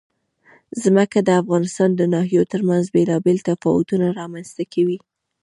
ځمکه د افغانستان د ناحیو ترمنځ بېلابېل تفاوتونه رامنځ ته کوي.